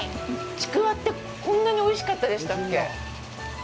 ちくわってこんなにおいしかったでしたっけ。